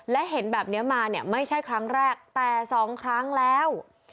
และเห็นแบบนี้มาเนี่ยไม่ใช่ครั้งแรกแต่สองครั้งแล้ว